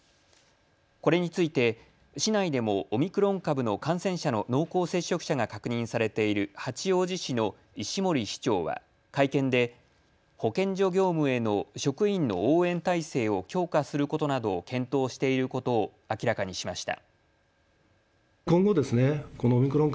これについて市内でもオミクロン株の感染者の濃厚接触者が確認されている八王子市の石森市長は会見で保健所業務への職員の応援態勢を強化することなどを検討していることを明らかにしました。